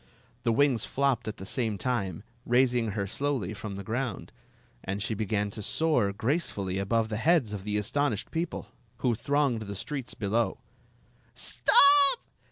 The wings flopped at the same time, raising her slowly from the ground, and she began to soar grace fully above the heads of the astonished people, who thronged the streets below. "Stop!